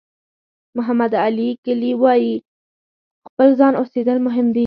محمد علي کلي وایي خپل ځان اوسېدل مهم دي.